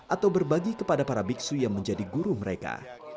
atau berbagi kepada para biksu yang menjadi guru mereka